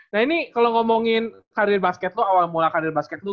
nah ini kalau ngomongin karir basket lu awal mulai karir basket lu